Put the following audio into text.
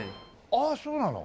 ああそうなの。